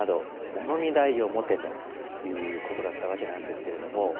『物見台』を持て」ということだったわけなんですけれども。